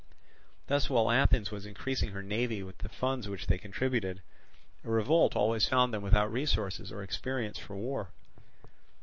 Thus while Athens was increasing her navy with the funds which they contributed, a revolt always found them without resources or experience for war.